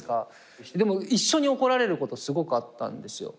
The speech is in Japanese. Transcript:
でも一緒に怒られることすごくあったんですよ。